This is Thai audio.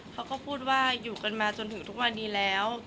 เขาก็พูดว่าอยู่กันมาจนถึงทุกวันนี้แล้ว